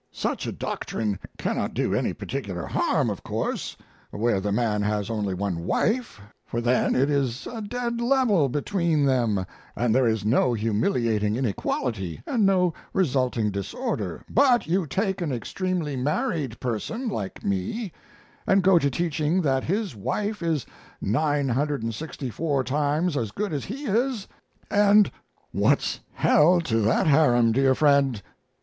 Such a doctrine cannot do any particular harm, of course, where the man has only one wife, for then it is a dead level between them, and there is no humiliating inequality, and no resulting disorder; but you take an extremely married person, like me, and go to teaching that his wife is 964 times as good as he is, and what's hell to that harem, dear friend?